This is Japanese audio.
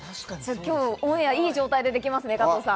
今日オンエア、いい状態でできますね。